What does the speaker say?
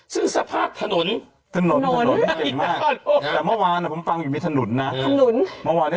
ซึ่งสภาพถนนถนนแต่เมื่อวานผมฟังอยู่มีถนนนะ